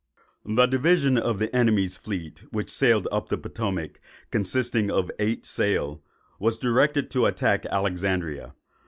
The division of the enemy's fleet which sailed up the Potomac, consisting of eight sail, was directed to attack Alexandria.